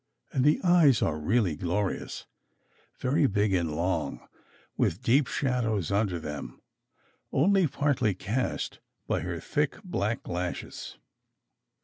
And the eyes are really glorious: very big and long, with deep shadows under them only partly cast by her thick black lashes.